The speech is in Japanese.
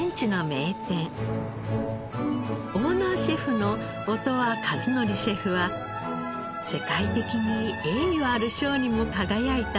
オーナーシェフの音羽和紀シェフは世界的に栄誉ある賞にも輝いた匠。